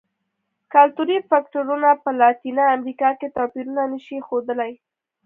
کلتوري فکټورونه په لاتینه امریکا کې توپیرونه نه شي ښودلی.